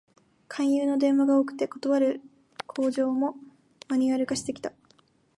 勧誘の電話が多くて、断る口上もマニュアル化してきた